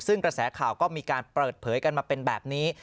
ซึ่งกระแสข่าวก็มีการเปิดเผยกันมาเป็นแบบนี้